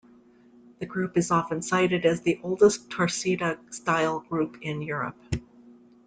The group is often cited as the oldest torcida style group in Europe.